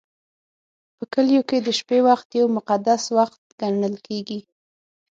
په کلیو کې د شپې وخت یو مقدس وخت ګڼل کېږي.